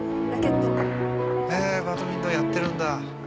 バドミントンやってるんだ。